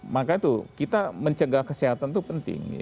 maka itu kita mencegah kesehatan itu penting